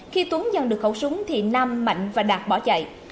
khi tuấn nhận được khẩu súng thì nam mạnh và đạt bỏ chạy